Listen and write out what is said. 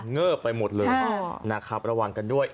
เงอะไปหมดเลยระวังกันด้วย